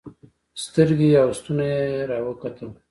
سترګې او ستونى يې راوکتل.